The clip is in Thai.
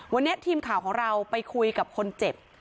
วันนี้ทีมข่าวของเราไปคุยกับคนเจ็บ